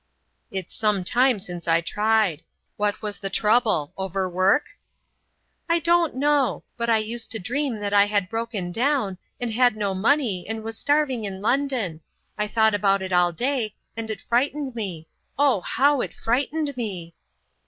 "It's some time since I tried. What was the trouble? Overwork?" "I don't know; but I used to dream that I had broken down, and had no money, and was starving in London. I thought about it all day, and it frightened me—oh, how it frightened me!"